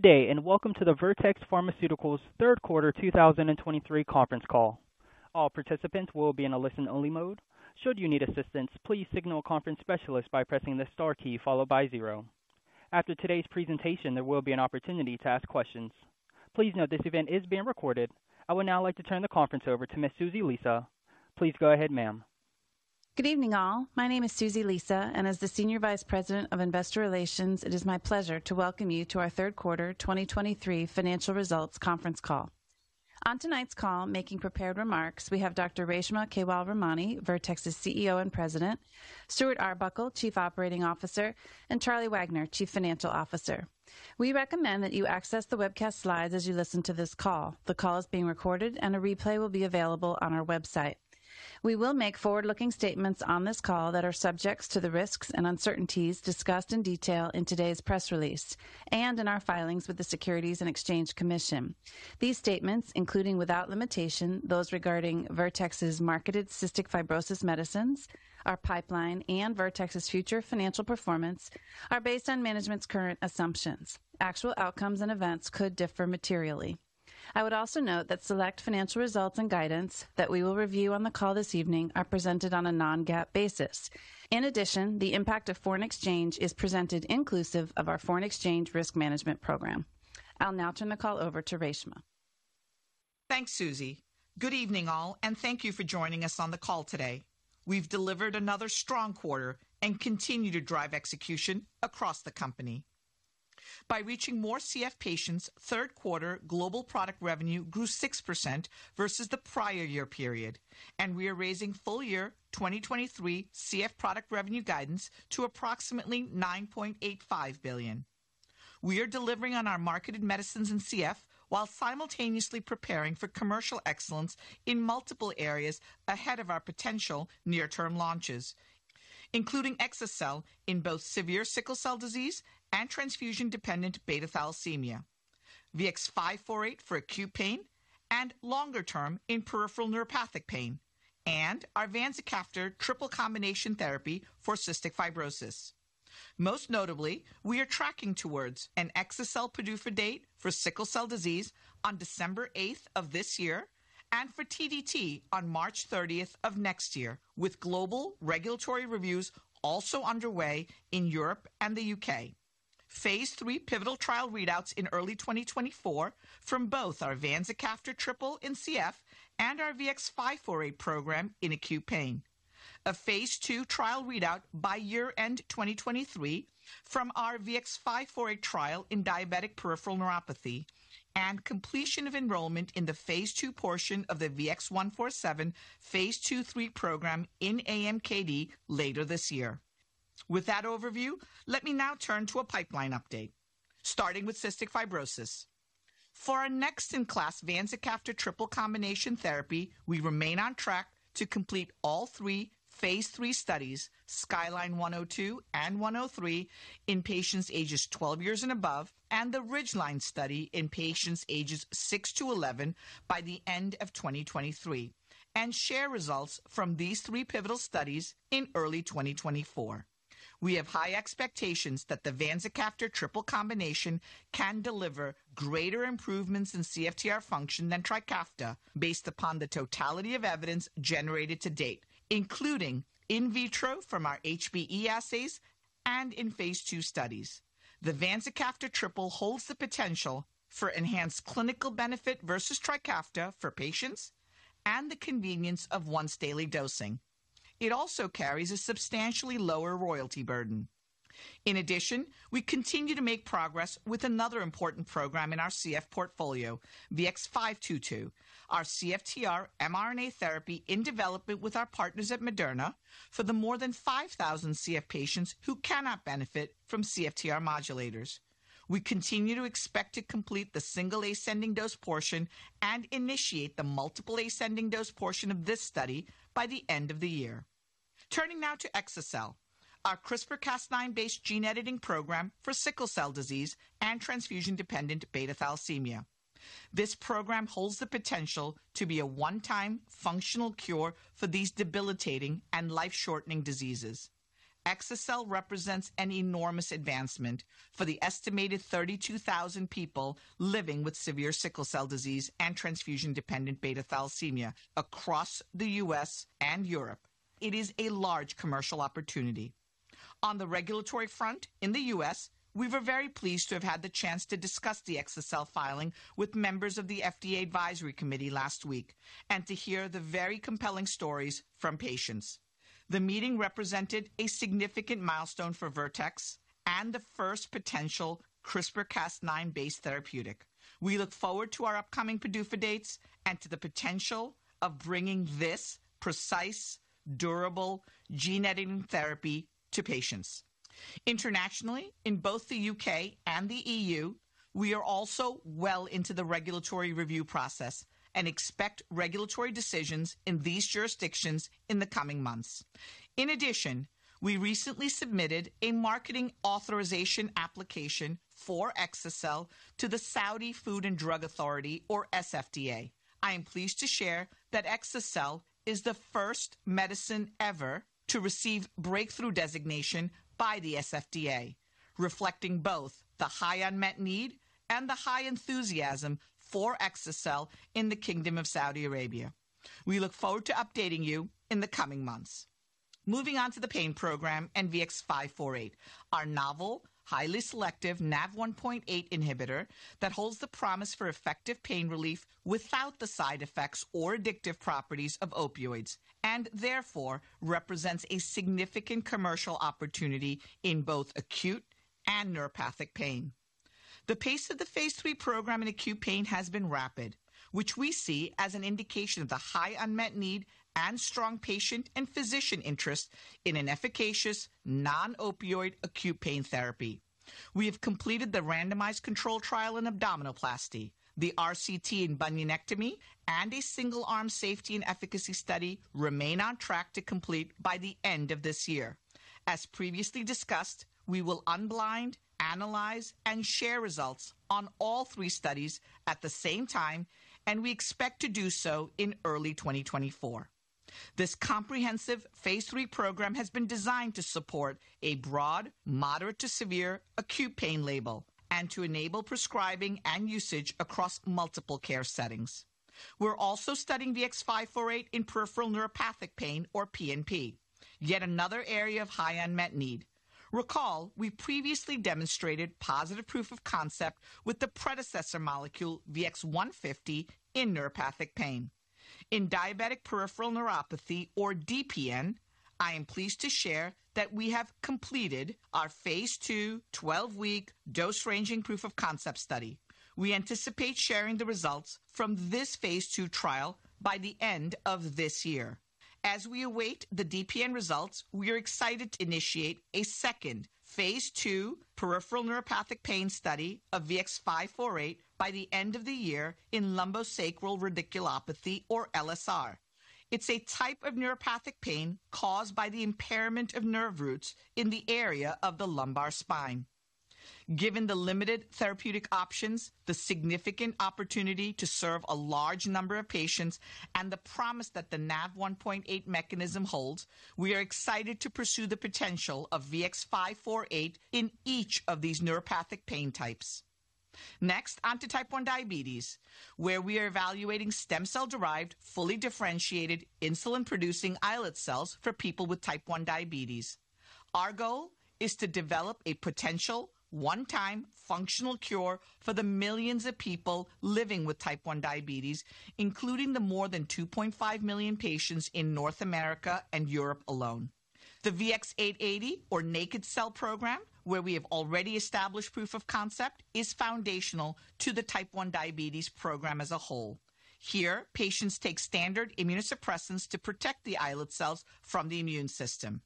Good day, and welcome to the Vertex Pharmaceuticals third quarter 2023 conference call. All participants will be in a listen-only mode. Should you need assistance, please signal a conference specialist by pressing the star key followed by zero. After today's presentation, there will be an opportunity to ask questions. Please note this event is being recorded. I would now like to turn the conference over to Ms. Susie Lisa. Please go ahead, ma'am. Good evening, all. My name is Susie Lisa, and as the Senior Vice President of Investor Relations, it is my pleasure to welcome you to our third quarter 2023 financial results conference call. On tonight's call, making prepared remarks, we have Dr. Reshma Kewalramani, Vertex's CEO and President, Stuart Arbuckle, Chief Operating Officer, and Charlie Wagner, Chief Financial Officer. We recommend that you access the webcast slides as you listen to this call. The call is being recorded, and a replay will be available on our website. We will make forward-looking statements on this call that are subject to the risks and uncertainties discussed in detail in today's press release and in our filings with the Securities and Exchange Commission. These statements, including without limitation, those regarding Vertex's marketed cystic fibrosis medicines, our pipeline, and Vertex's future financial performance, are based on management's current assumptions. Actual outcomes and events could differ materially. I would also note that select financial results and guidance that we will review on the call this evening are presented on a non-GAAP basis. In addition, the impact of foreign exchange is presented inclusive of our foreign exchange risk management program. I'll now turn the call over to Reshma. Thanks, Susie. Good evening, all, and thank you for joining us on the call today. We've delivered another strong quarter and continue to drive execution across the company. By reaching more CF patients, third quarter global product revenue grew 6% versus the prior year period, and we are raising full year 2023 CF product revenue guidance to approximately $9.85 billion. We are delivering on our marketed medicines in CF while simultaneously preparing for commercial excellence in multiple areas ahead of our potential near-term launches, including exa-cel in both severe sickle cell disease and transfusion-dependent beta thalassemia, VX-548 for acute pain and longer term in peripheral neuropathic pain, and our vanzacaftor triple combination therapy for cystic fibrosis. Most notably, we are tracking towards an exa-cel PDUFA date for sickle cell disease on December 8 of this year and for TDT on March 30 of next year, with global regulatory reviews also underway in Europe and the U.K. Phase 3 pivotal trial readouts in early 2024 from both our vanzacaftor triple in CF and our VX-548 program in acute pain. A phase 2 trial readout by year-end 2023 from our VX-548 trial in diabetic peripheral neuropathy and completion of enrollment in the phase 2 portion of the VX-147 phase 2/3 program in AMKD later this year. With that overview, let me now turn to a pipeline update, starting with cystic fibrosis. For our next-in-class vanzacaftor triple combination therapy, we remain on track to complete all three phase 3 studies, Skyline 102 and 103 in patients ages 12 years and above, and the Ridgeline study in patients ages 6 to 11 by the end of 2023, and share results from these three pivotal studies in early 2024. We have high expectations that the vanzacaftor triple combination can deliver greater improvements in CFTR function than Trikafta, based upon the totality of evidence generated to date, including in vitro from our HBE assays and in phase 2 studies. The vanzacaftor triple holds the potential for enhanced clinical benefit versus Trikafta for patients and the convenience of once-daily dosing. It also carries a substantially lower royalty burden. In addition, we continue to make progress with another important program in our CF portfolio, VX-522, our CFTR mRNA therapy in development with our partners at Moderna for the more than 5,000 CF patients who cannot benefit from CFTR modulators. We continue to expect to complete the single ascending dose portion and initiate the multiple ascending dose portion of this study by the end of the year. Turning now to exa-cel, our CRISPR-Cas9 based gene editing program for sickle cell disease and transfusion-dependent beta thalassemia. This program holds the potential to be a one-time functional cure for these debilitating and life-shortening diseases. Exa-cel represents an enormous advancement for the estimated 32,000 people living with severe sickle cell disease and transfusion-dependent beta thalassemia across the U.S. and Europe. It is a large commercial opportunity. On the regulatory front, in the U.S., we were very pleased to have had the chance to discuss the exa-cel filing with members of the FDA Advisory Committee last week and to hear the very compelling stories from patients. The meeting represented a significant milestone for Vertex and the first potential CRISPR-Cas9 based therapeutic. We look forward to our upcoming PDUFA dates and to the potential of bringing this precise, durable gene editing therapy to patients. Internationally, in both the U.K. and the E.U., we are also well into the regulatory review process and expect regulatory decisions in these jurisdictions in the coming months. In addition, we recently submitted a marketing authorization application for exa-cel to the Saudi Food and Drug Authority, or SFDA. I am pleased to share that exa-cel is the first medicine ever to receive breakthrough designation-... by the SFDA, reflecting both the high unmet need and the high enthusiasm for exa-cel in the Kingdom of Saudi Arabia. We look forward to updating you in the coming months. Moving on to the pain program and VX-548, our novel, highly selective NaV1.8 inhibitor that holds the promise for effective pain relief without the side effects or addictive properties of opioids, and therefore represents a significant commercial opportunity in both acute and neuropathic pain. The pace of the phase 3 program in acute pain has been rapid, which we see as an indication of the high unmet need and strong patient and physician interest in an efficacious non-opioid acute pain therapy. We have completed the randomized control trial in abdominoplasty, the RCT in bunionectomy, and a single-arm safety and efficacy study remain on track to complete by the end of this year. As previously discussed, we will unblind, analyze, and share results on all three studies at the same time, and we expect to do so in early 2024. This comprehensive phase III program has been designed to support a broad, moderate to severe acute pain label and to enable prescribing and usage across multiple care settings. We're also studying VX-548 in peripheral neuropathic pain, or PNP, yet another area of high unmet need. Recall, we previously demonstrated positive proof of concept with the predecessor molecule VX-150 in neuropathic pain. In diabetic peripheral neuropathy, or DPN, I am pleased to share that we have completed our phase II 12-week dose-ranging proof of concept study. We anticipate sharing the results from this phase II trial by the end of this year. As we await the DPN results, we are excited to initiate a second phase II peripheral neuropathic pain study of VX-548 by the end of the year in lumbosacral radiculopathy or LSR. It's a type of neuropathic pain caused by the impairment of nerve roots in the area of the lumbar spine. Given the limited therapeutic options, the significant opportunity to serve a large number of patients, and the promise that the NaV1.8 mechanism holds, we are excited to pursue the potential of VX-548 in each of these neuropathic pain types. Next, onto type 1 diabetes, where we are evaluating stem cell-derived, fully differentiated insulin-producing islet cells for people with type 1 diabetes. Our goal is to develop a potential one-time functional cure for the millions of people living with type 1 diabetes, including the more than 2.5 million patients in North America and Europe alone. The VX-880 or naked cell program, where we have already established proof of concept, is foundational to the Type 1 diabetes program as a whole. Here, patients take standard immunosuppressants to protect the islet cells from the immune system.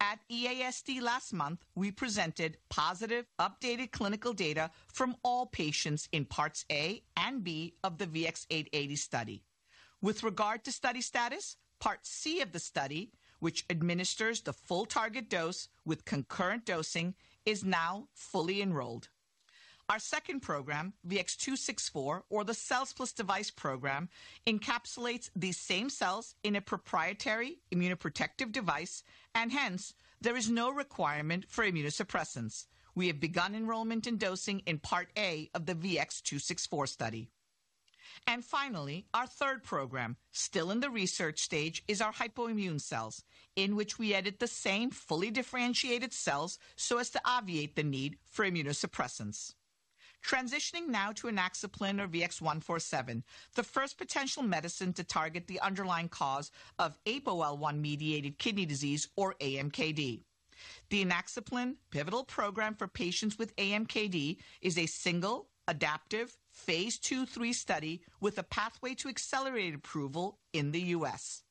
At EASD last month, we presented positive, updated clinical data from all patients in parts A and B of the VX-880 study. With regard to study status, part C of the study, which administers the full target dose with concurrent dosing, is now fully enrolled. Our second program, VX-264, or the cells plus device program, encapsulates these same cells in a proprietary immunoprotective device, and hence, there is no requirement for immunosuppressants. We have begun enrollment and dosing in part A of the VX-264 study. Finally, our third program, still in the research stage, is our hypoimmune cells, in which we edit the same fully differentiated cells so as to obviate the need for immunosuppressants. Transitioning now to inaxaplin, or VX-147, the first potential medicine to target the underlying cause of APOL1-mediated kidney disease, or AMKD. The inaxaplin pivotal program for patients with AMKD is a single adaptive phase II, III study with a pathway to accelerated approval in the U.S.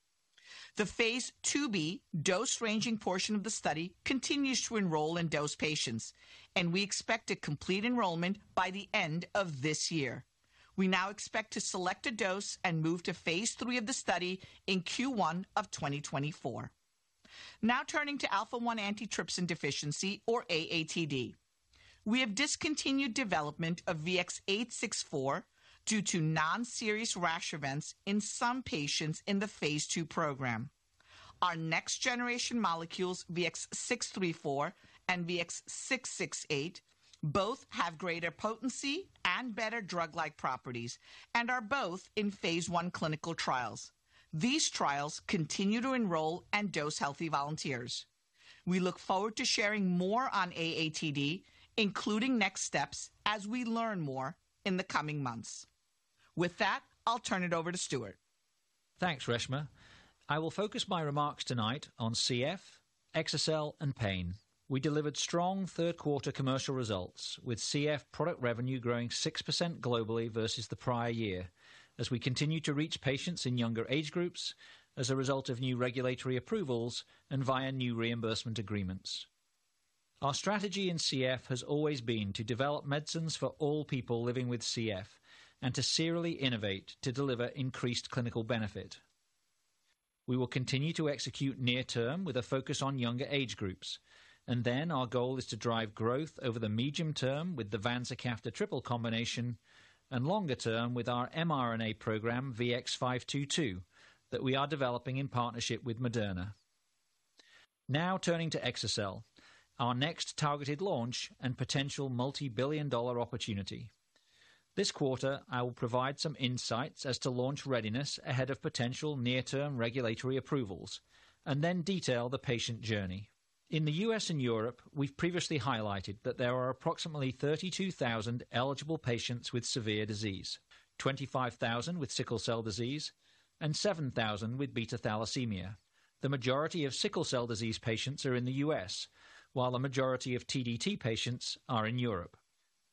The phase IIb dose-ranging portion of the study continues to enroll and dose patients, and we expect to complete enrollment by the end of this year. We now expect to select a dose and move to phase III of the study in Q1 of 2024. Now turning to alpha-1 antitrypsin deficiency, or AATD. We have discontinued development of VX-864 due to non-serious rash events in some patients in the phase II program. Our next generation molecules, VX-634 and VX-668, both have greater potency and better drug-like properties and are both in phase I clinical trials. These trials continue to enroll and dose healthy volunteers. We look forward to sharing more on AATD, including next steps as we learn more in the coming months. With that, I'll turn it over to Stuart. Thanks, Reshma. I will focus my remarks tonight on CF, exa-cel, and pain. We delivered strong third quarter commercial results, with CF product revenue growing 6% globally versus the prior year, as we continue to reach patients in younger age groups as a result of new regulatory approvals and via new reimbursement agreements. Our strategy in CF has always been to develop medicines for all people living with CF and to serially innovate to deliver increased clinical benefit. We will continue to execute near term with a focus on younger age groups, and then our goal is to drive growth over the medium term with the vanzacaftor triple combination and longer term with our mRNA program, VX-522, that we are developing in partnership with Moderna.... Now turning to exa-cel, our next targeted launch and potential multibillion-dollar opportunity. This quarter, I will provide some insights as to launch readiness ahead of potential near-term regulatory approvals and then detail the patient journey. In the U.S. and Europe, we've previously highlighted that there are approximately 32,000 eligible patients with severe disease, 25,000 with sickle cell disease, and 7,000 with beta thalassemia. The majority of sickle cell disease patients are in the U.S., while the majority of TDT patients are in Europe.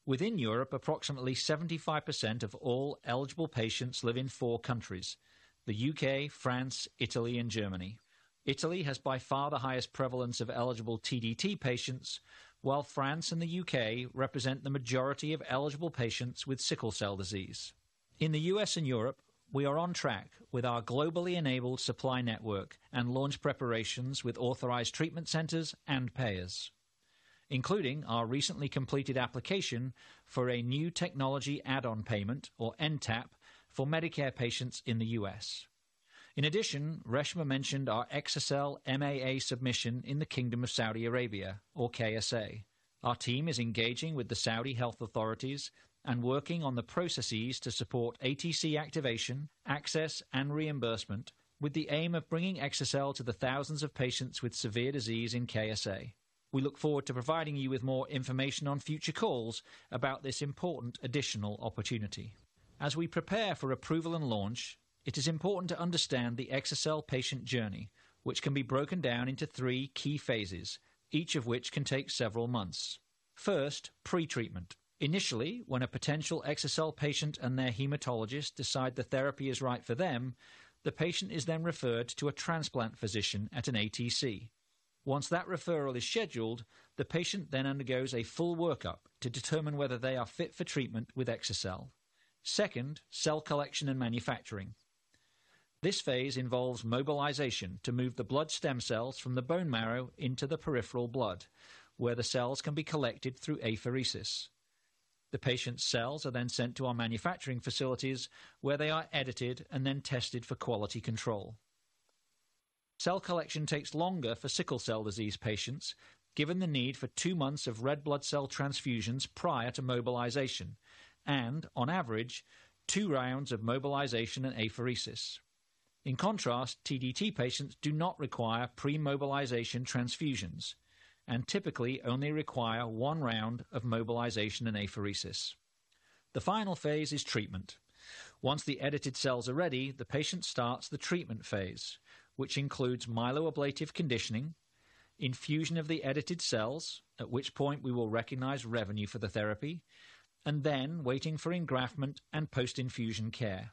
Within Europe, approximately 75% of all eligible patients live in four countries: the U.K., France, Italy, and Germany. Italy has by far the highest prevalence of eligible TDT patients, while France and the U.K. represent the majority of eligible patients with sickle cell disease. In the U.S. and Europe, we are on track with our globally enabled supply network and launch preparations with authorized treatment centers and payers, including our recently completed application for a new technology add-on payment, or NTAP, for Medicare patients in the U.S. In addition, Reshma mentioned our exa-cel MAA submission in the Kingdom of Saudi Arabia, or KSA. Our team is engaging with the Saudi health authorities and working on the processes to support ATC activation, access, and reimbursement, with the aim of bringing exa-cel to the thousands of patients with severe disease in KSA. We look forward to providing you with more information on future calls about this important additional opportunity. As we prepare for approval and launch, it is important to understand the exa-cel patient journey, which can be broken down into three key phases, each of which can take several months. First, pretreatment. Initially, when a potential exa-cel patient and their hematologist decide the therapy is right for them, the patient is then referred to a transplant physician at an ATC. Once that referral is scheduled, the patient then undergoes a full workup to determine whether they are fit for treatment with exa-cel. Second, cell collection and manufacturing. This phase involves mobilization to move the blood stem cells from the bone marrow into the peripheral blood, where the cells can be collected through apheresis. The patient's cells are then sent to our manufacturing facilities, where they are edited and then tested for quality control. Cell collection takes longer for sickle cell disease patients, given the need for two months of red blood cell transfusions prior to mobilization and, on average, two rounds of mobilization and apheresis. In contrast, TDT patients do not require pre-mobilization transfusions and typically only require one round of mobilization and apheresis. The final phase is treatment. Once the edited cells are ready, the patient starts the treatment phase, which includes myeloablative conditioning, infusion of the edited cells, at which point we will recognize revenue for the therapy, and then waiting for engraftment and post-infusion care.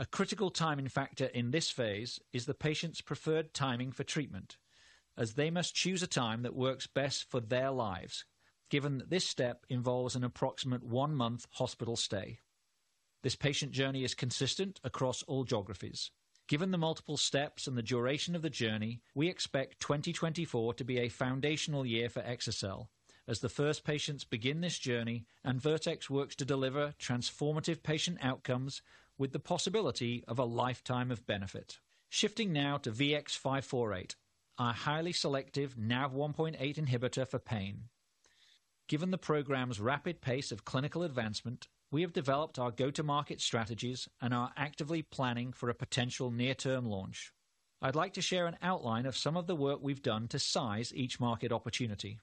A critical timing factor in this phase is the patient's preferred timing for treatment, as they must choose a time that works best for their lives, given that this step involves an approximate one-month hospital stay. This patient journey is consistent across all geographies. Given the multiple steps and the duration of the journey, we expect 2024 to be a foundational year for exa-cel as the first patients begin this journey and Vertex works to deliver transformative patient outcomes with the possibility of a lifetime of benefit. Shifting now to VX-548, our highly selective NaV1.8 inhibitor for pain. Given the program's rapid pace of clinical advancement, we have developed our go-to-market strategies and are actively planning for a potential near-term launch. I'd like to share an outline of some of the work we've done to size each market opportunity.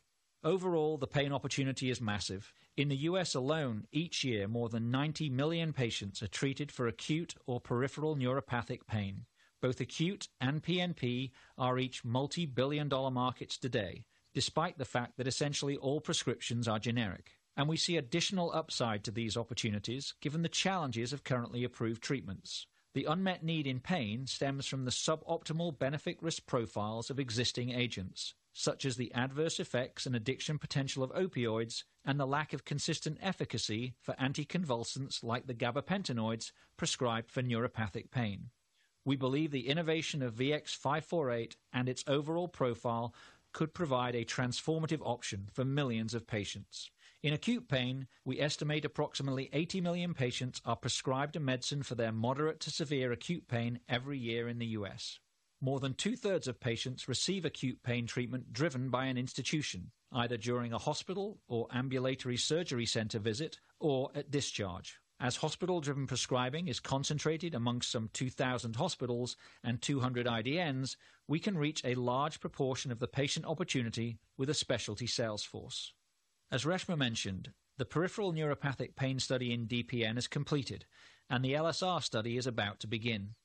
Overall, the pain opportunity is massive. In the U.S. alone, each year, more than 90 million patients are treated for acute or peripheral neuropathic pain. Both acute and PNP are each multibillion-dollar markets today, despite the fact that essentially all prescriptions are generic, and we see additional upside to these opportunities, given the challenges of currently approved treatments. The unmet need in pain stems from the suboptimal benefit risk profiles of existing agents, such as the adverse effects and addiction potential of opioids, and the lack of consistent efficacy for anticonvulsants, like the gabapentinoids prescribed for neuropathic pain. We believe the innovation of VX-548 and its overall profile could provide a transformative option for millions of patients. In acute pain, we estimate approximately 80 million patients are prescribed a medicine for their moderate to severe acute pain every year in the U.S. More than two-thirds of patients receive acute pain treatment driven by an institution, either during a hospital or ambulatory surgery center visit or at discharge. As hospital-driven prescribing is concentrated among some 2,000 hospitals and 200 IDNs, we can reach a large proportion of the patient opportunity with a specialty sales force. As Reshma mentioned, the peripheral neuropathic pain study in DPN is completed, and the LSR study is about to begin.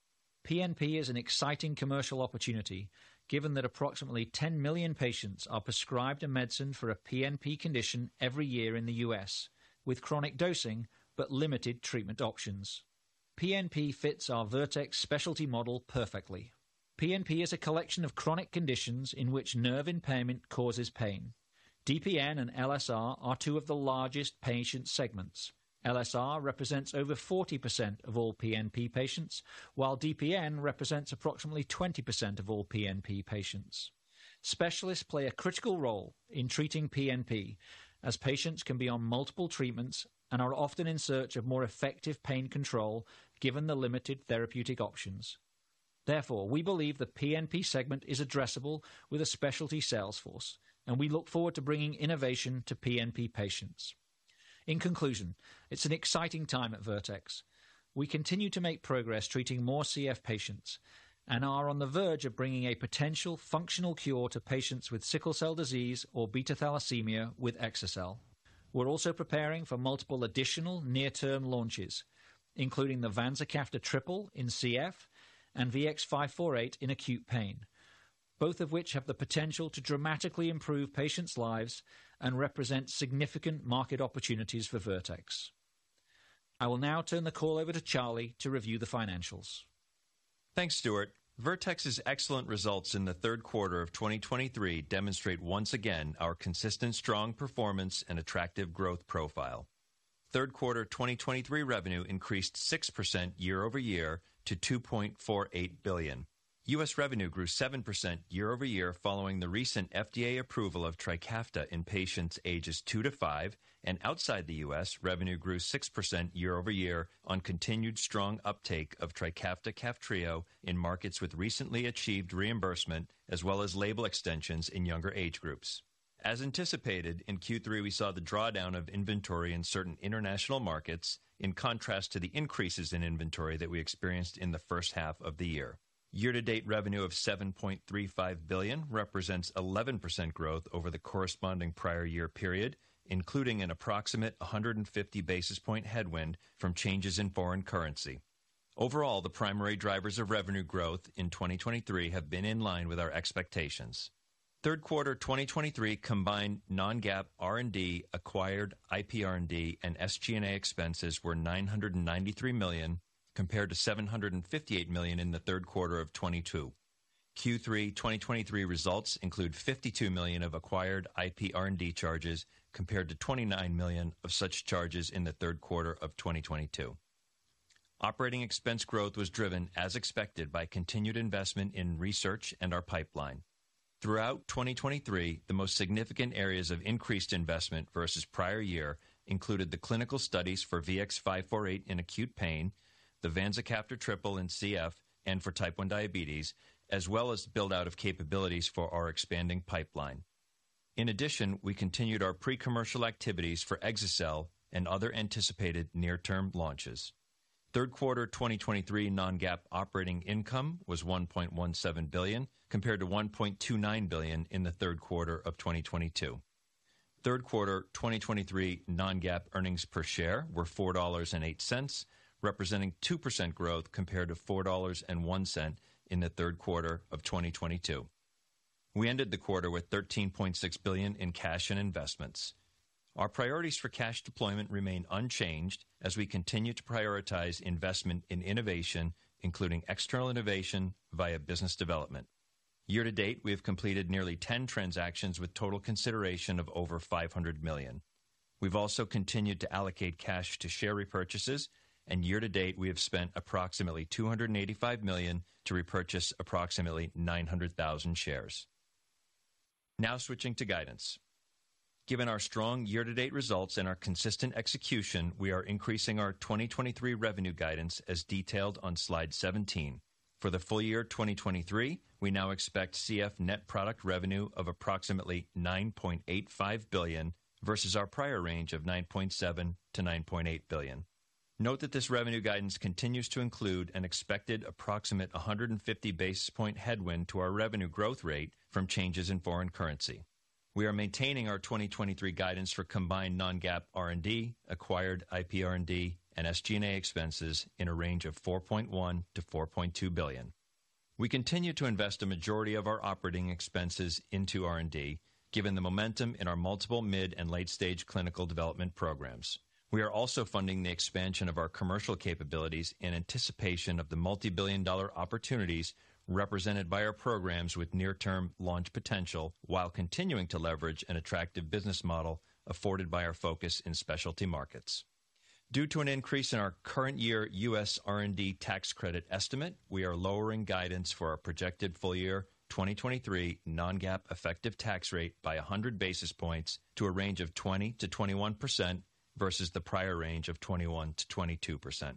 PNP is an exciting commercial opportunity, given that approximately 10 million patients are prescribed a medicine for a PNP condition every year in the U.S., with chronic dosing but limited treatment options. PNP fits our Vertex specialty model perfectly. PNP is a collection of chronic conditions in which nerve impairment causes pain. DPN and LSR are two of the largest patient segments. LSR represents over 40% of all PNP patients, while DPN represents approximately 20% of all PNP patients. Specialists play a critical role in treating PNP, as patients can be on multiple treatments and are often in search of more effective pain control, given the limited therapeutic options. Therefore, we believe the PNP segment is addressable with a specialty sales force, and we look forward to bringing innovation to PNP patients. In conclusion, it's an exciting time at Vertex. We continue to make progress treating more CF patients and are on the verge of bringing a potential functional cure to patients with sickle cell disease or beta thalassemia with exa-cel. We're also preparing for multiple additional near-term launches, including the vanzacaftor triple in CF and VX-548 in acute pain, both of which have the potential to dramatically improve patients' lives and represent significant market opportunities for Vertex. I will now turn the call over to Charlie to review the financials. Thanks, Stuart. Vertex's excellent results in the third quarter of 2023 demonstrate once again our consistent strong performance and attractive growth profile. Third quarter 2023 revenue increased 6% year-over-year to $2.48 billion. US revenue grew 7% year-over-year following the recent FDA approval of Trikafta in patients ages 2 to 5. Outside the US, revenue grew 6% year-over-year on continued strong uptake of Trikafta, Kaftrio in markets with recently achieved reimbursement, as well as label extensions in younger age groups. As anticipated, in Q3, we saw the drawdown of inventory in certain international markets, in contrast to the increases in inventory that we experienced in the first half of the year. Year to date, revenue of $7.35 billion represents 11% growth over the corresponding prior year period, including an approximate 150 basis points headwind from changes in foreign currency. Overall, the primary drivers of revenue growth in 2023 have been in line with our expectations. Third quarter, 2023 combined non-GAAP, R&D, acquired IP R&D, and SG&A expenses were $993 million, compared to $758 million in the third quarter of 2022. Q3 2023 results include $52 million of acquired IP R&D charges, compared to $29 million of such charges in the third quarter of 2022. Operating expense growth was driven, as expected, by continued investment in research and our pipeline. Throughout 2023, the most significant areas of increased investment versus prior year included the clinical studies for VX-548 in acute pain, the vanzacaftor triple in CF and for type 1 diabetes, as well as build out of capabilities for our expanding pipeline. In addition, we continued our pre-commercial activities for exa-cel and other anticipated near-term launches. Third quarter 2023 non-GAAP operating income was $1.17 billion, compared to $1.29 billion in the third quarter of 2022. Third quarter 2023 non-GAAP earnings per share were $4.08, representing 2% growth compared to $4.01 in the third quarter of 2022. We ended the quarter with $13.6 billion in cash and investments. Our priorities for cash deployment remain unchanged as we continue to prioritize investment in innovation, including external innovation via business development. Year to date, we have completed nearly 10 transactions with total consideration of over $500 million. We've also continued to allocate cash to share repurchases, and year to date, we have spent approximately $285 million to repurchase approximately 900,000 shares. Now switching to guidance. Given our strong year-to-date results and our consistent execution, we are increasing our 2023 revenue guidance as detailed on slide 17. For the full year 2023, we now expect CF net product revenue of approximately $9.85 billion versus our prior range of $9.7-$9.8 billion. Note that this revenue guidance continues to include an expected approximate 150 basis point headwind to our revenue growth rate from changes in foreign currency. We are maintaining our 2023 guidance for combined non-GAAP R&D, acquired IP R&D, and SG&A expenses in a range of $4.1 billion-$4.2 billion. We continue to invest a majority of our operating expenses into R&D, given the momentum in our multiple mid and late-stage clinical development programs. We are also funding the expansion of our commercial capabilities in anticipation of the multibillion-dollar opportunities represented by our programs with near-term launch potential, while continuing to leverage an attractive business model afforded by our focus in specialty markets. Due to an increase in our current year U.S. R&D tax credit estimate, we are lowering guidance for our projected full year 2023 non-GAAP effective tax rate by 100 basis points to a range of 20%-21% versus the prior range of 21%-22%.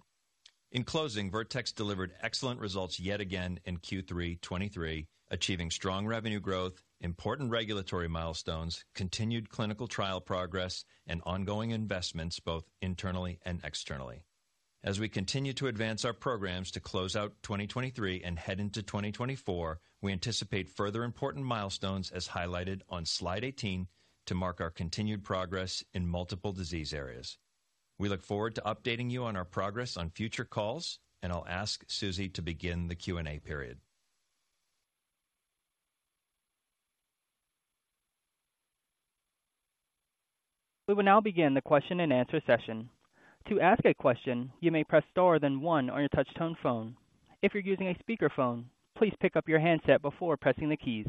In closing, Vertex delivered excellent results yet again in Q3 2023, achieving strong revenue growth, important regulatory milestones, continued clinical trial progress, and ongoing investments both internally and externally. As we continue to advance our programs to close out 2023 and head into 2024, we anticipate further important milestones, as highlighted on slide 18, to mark our continued progress in multiple disease areas. We look forward to updating you on our progress on future calls, and I'll ask Susie to begin the Q&A period. We will now begin the question and answer session. To ask a question, you may press star then one on your touchtone phone. If you're using a speakerphone, please pick up your handset before pressing the keys.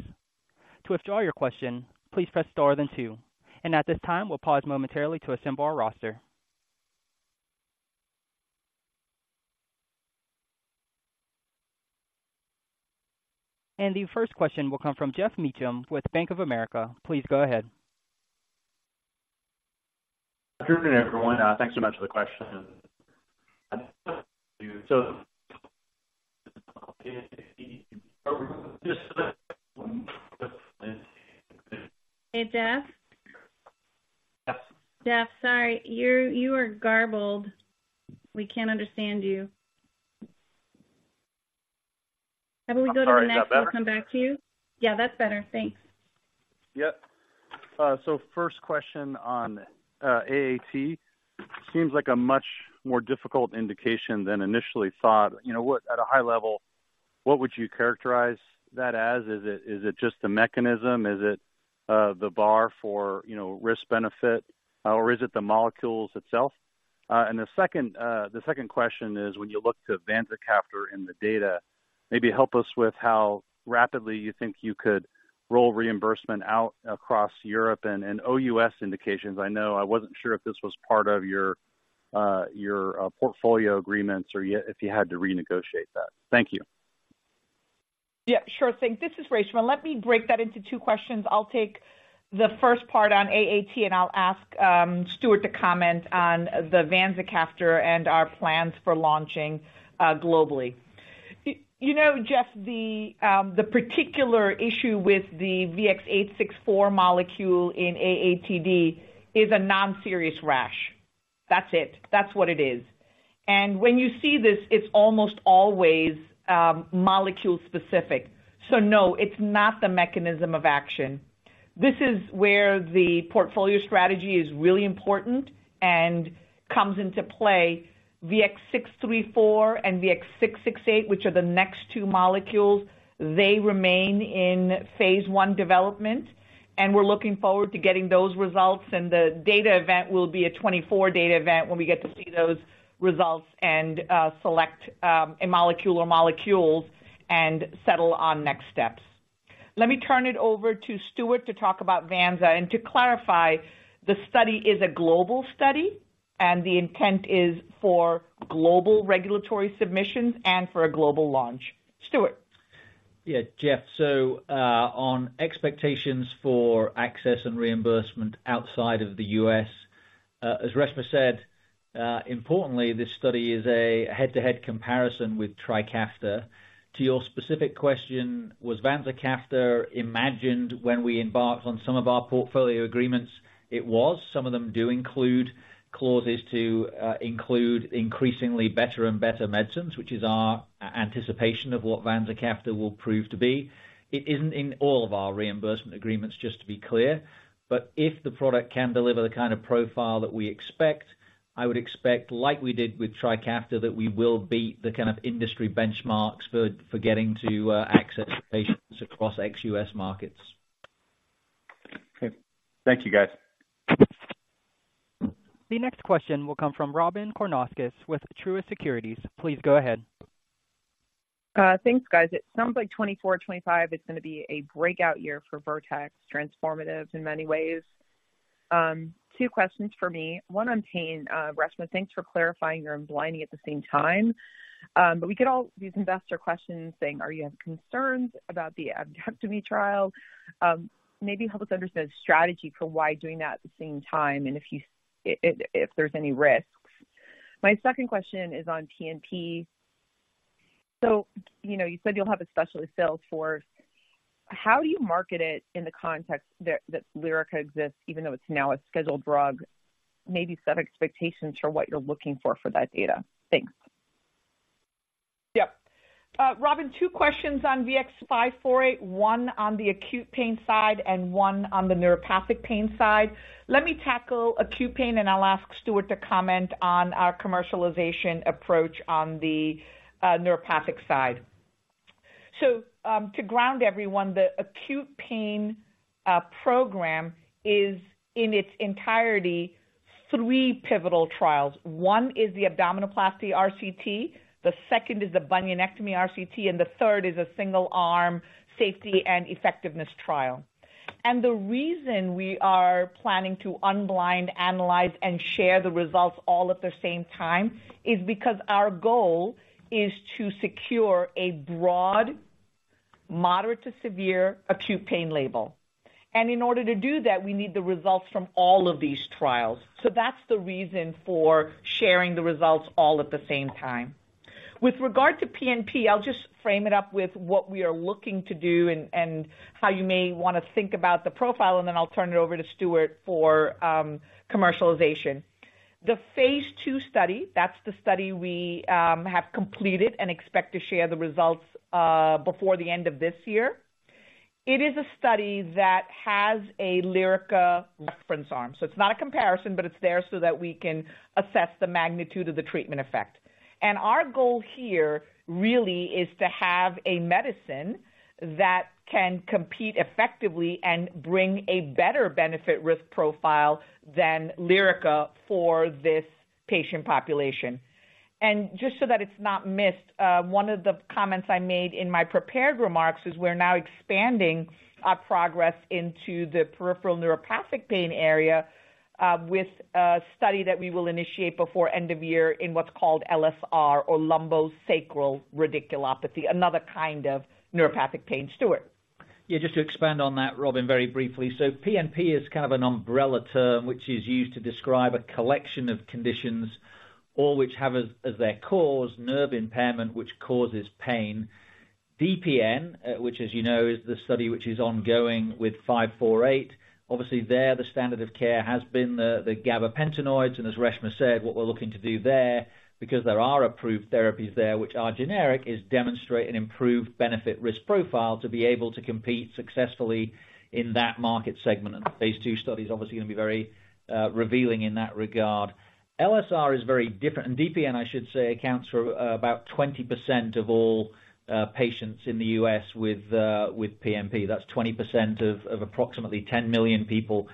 To withdraw your question, please press star then two. At this time, we'll pause momentarily to assemble our roster. The first question will come from Geoff Meacham with Bank of America. Please go ahead.... Good afternoon, everyone. Thanks so much for the question. Hey, Geoff? Yes. Geoff, sorry, you're, you are garbled. We can't understand you. How about we go to the next- All right, how's that? And come back to you? Yeah, that's better. Thanks. Yep. So first question on AAT. Seems like a much more difficult indication than initially thought. You know, at a high level, what would you characterize that as? Is it just the mechanism? Is it the bar for, you know, risk benefit, or is it the molecules itself? And the second question is, when you look to vanzacaftor in the data, maybe help us with how rapidly you think you could roll reimbursement out across Europe and OUS indications. I know I wasn't sure if this was part of your portfolio agreements or if you had to renegotiate that. Thank you. Yeah, sure thing. This is Reshma, and let me break that into two questions. I'll take the first part on AAT, and I'll ask Stuart to comment on the vanzacaftor and our plans for launching globally. You know, Geoff, the particular issue with the VX-864 molecule in AATD is a non-serious rash. That's it. That's what it is. And when you see this, it's almost always molecule specific. So no, it's not the mechanism of action. This is where the portfolio strategy is really important and comes into play. VX-634 and VX-668, which are the next two molecules, they remain in phase 1 development, and we're looking forward to getting those results, and the data event will be a 24 data event when we get to see those results and select a molecule or molecules and settle on next steps. Let me turn it over to Stuart to talk about Vanza. To clarify, the study is a global study, and the intent is for global regulatory submissions and for a global launch. Stuart? Yeah, Geoff, so on expectations for access and reimbursement outside of the U.S., as Reshma said, importantly, this study is a head-to-head comparison with Trikafta. To your specific question, was vanzacaftor imagined when we embarked on some of our portfolio agreements? It was. Some of them do include clauses to include increasingly better and better medicines, which is our anticipation of what vanzacaftor will prove to be. It isn't in all of our reimbursement agreements, just to be clear, but if the product can deliver the kind of profile that we expect, I would expect, like we did with Trikafta, that we will beat the kind of industry benchmarks for getting to access patients across ex-U.S. markets. Okay. Thank you, guys. The next question will come from Robyn Karnauskas with Truist Securities. Please go ahead. Thanks, guys. It sounds like 2024, 2025 is going to be a breakout year for Vertex, transformative in many ways. Two questions for me. One on pain, Reshma, thanks for clarifying you're unblinding at the same time. But we get all these investor questions saying, "Are you having concerns about the abdominoplasty trial?" Maybe help us understand the strategy for why doing that at the same time, and if you, if, if there's any risks. My second question is on PNP. So, you know, you said you'll have a specialist sales force. How do you market it in the context that, that Lyrica exists, even though it's now a scheduled drug? Maybe set expectations for what you're looking for, for that data. Thanks. Yep. Robyn, two questions on VX-548, one on the acute pain side and one on the neuropathic pain side. Let me tackle acute pain, and I'll ask Stuart to comment on our commercialization approach on the neuropathic side. So, to ground everyone, the acute pain program is, in its entirety, three pivotal trials. One is the abdominoplasty RCT, the second is the bunionectomy RCT, and the third is a single-arm safety and effectiveness trial. And the reason we are planning to unblind, analyze, and share the results all at the same time, is because our goal is to secure a broad, moderate to severe acute pain label. And in order to do that, we need the results from all of these trials. So that's the reason for sharing the results all at the same time. With regard to PNP, I'll just frame it up with what we are looking to do and how you may want to think about the profile, and then I'll turn it over to Stuart for commercialization. The phase 2 study, that's the study we have completed and expect to share the results before the end of this year. It is a study that has a Lyrica reference arm, so it's not a comparison, but it's there so that we can assess the magnitude of the treatment effect. Our goal here really is to have a medicine that can compete effectively and bring a better benefit risk profile than Lyrica for this patient population. Just so that it's not missed, one of the comments I made in my prepared remarks is we're now expanding our progress into the peripheral neuropathic pain area, with a study that we will initiate before end of year in what's called LSR or lumbosacral radiculopathy, another kind of neuropathic pain. Stuart?... Yeah, just to expand on that, Robin, very briefly. So PNP is kind of an umbrella term, which is used to describe a collection of conditions, all which have as their cause, nerve impairment, which causes pain. DPN, which, as you know, is the study which is ongoing with 548. Obviously there, the standard of care has been the gabapentinoids, and as Reshma said, what we're looking to do there, because there are approved therapies there, which are generic, is demonstrate an improved benefit risk profile to be able to compete successfully in that market segment. And these two studies obviously are going to be very revealing in that regard. LSR is very different, and DPN, I should say, accounts for about 20% of all patients in the U.S. with PNP. That's 20% of approximately 10 million people.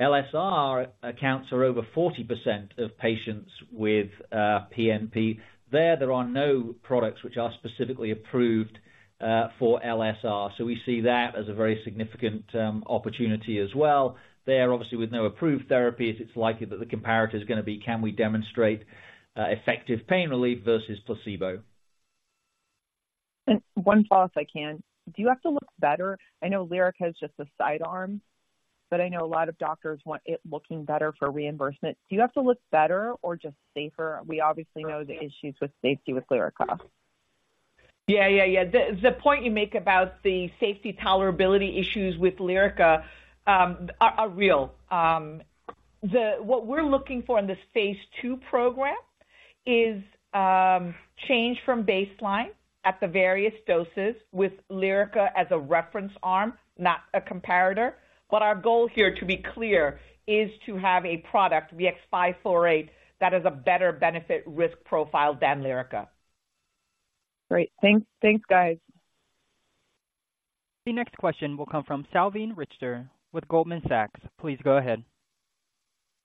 LSR accounts for over 40% of patients with PNP. There are no products which are specifically approved for LSR, so we see that as a very significant opportunity as well. There obviously, with no approved therapies, it's likely that the comparator is gonna be, can we demonstrate effective pain relief versus placebo? One follow-up, if I can. Do you have to look better? I know Lyrica is just a sidearm, but I know a lot of doctors want it looking better for reimbursement. Do you have to look better or just safer? We obviously know the issues with safety with Lyrica. Yeah, yeah, yeah. The point you make about the safety tolerability issues with Lyrica are real. What we're looking for in this phase 2 program is change from baseline at the various doses with Lyrica as a reference arm, not a comparator. But our goal here, to be clear, is to have a product, VX-548, that is a better benefit risk profile than Lyrica. Great. Thanks. Thanks, guys. The next question will come from Salveen Richter with Goldman Sachs. Please go ahead.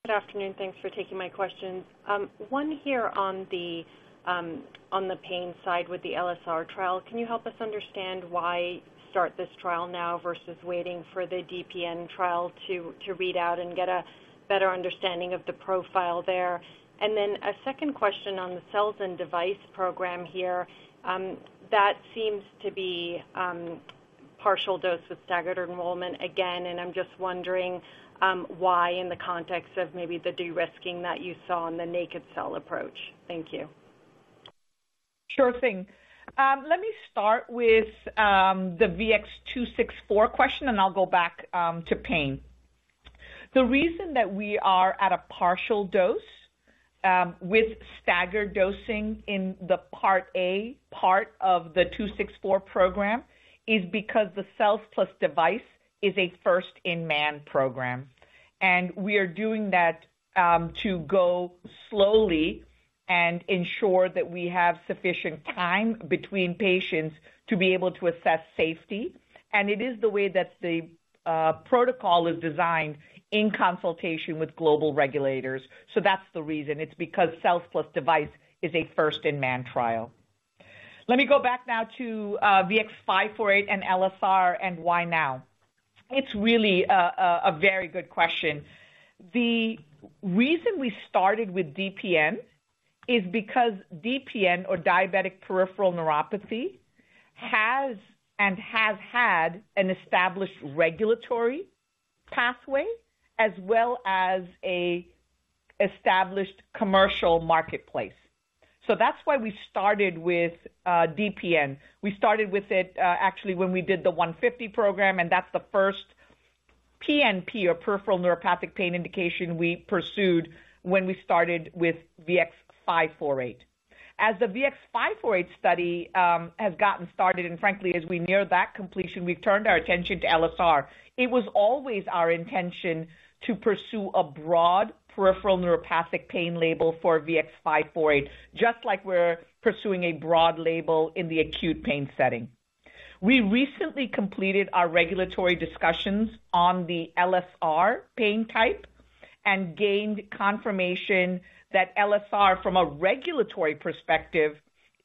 Good afternoon. Thanks for taking my questions. One here on the pain side with the LSR trial. Can you help us understand why start this trial now versus waiting for the DPN trial to read out and get a better understanding of the profile there? And then a second question on the cells and device program here. That seems to be partial dose with staggered enrollment again, and I'm just wondering why, in the context of maybe the de-risking that you saw on the naked cell approach. Thank you. Sure thing. Let me start with the VX-264 question, and I'll go back to pain. The reason that we are at a partial dose with staggered dosing in the part A part of the 264 program is because the cells plus device is a first-in-man program, and we are doing that to go slowly and ensure that we have sufficient time between patients to be able to assess safety. And it is the way that the protocol is designed in consultation with global regulators. So that's the reason. It's because cells plus device is a first-in-man trial. Let me go back now to VX-548 and LSR and why now? It's really a very good question. The reason we started with DPN is because DPN, or diabetic peripheral neuropathy, has and has had an established regulatory pathway as well as an established commercial marketplace. So that's why we started with DPN. We started with it actually when we did the VX-150 program, and that's the first PNP or peripheral neuropathic pain indication we pursued when we started with VX-548. As the VX-548 study has gotten started and frankly, as we near that completion, we've turned our attention to LSR. It was always our intention to pursue a broad peripheral neuropathic pain label for VX-548, just like we're pursuing a broad label in the acute pain setting. We recently completed our regulatory discussions on the LSR pain type and gained confirmation that LSR, from a regulatory perspective,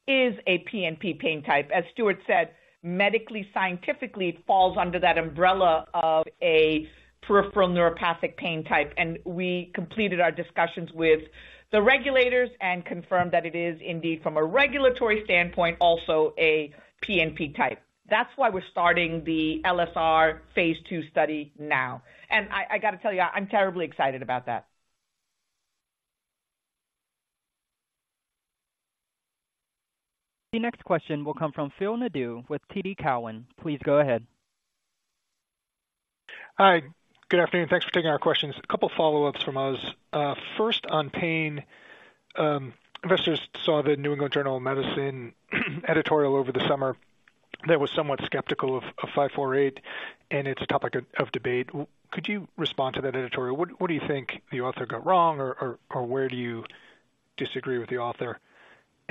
is a PNP pain type. As Stuart said, medically, scientifically, it falls under that umbrella of a peripheral neuropathic pain type, and we completed our discussions with the regulators and confirmed that it is indeed from a regulatory standpoint, also a PNP type. That's why we're starting the LSR phase 2 study now, and I got to tell you, I'm terribly excited about that. The next question will come from Phil Nadeau with TD Cowen. Please go ahead. Hi, good afternoon. Thanks for taking our questions. A couple follow-ups from us. First, on pain, investors saw the New England Journal of Medicine editorial over the summer that was somewhat skeptical of VX-548, and it's a topic of debate. Could you respond to that editorial? What do you think the author got wrong, or where do you disagree with the author?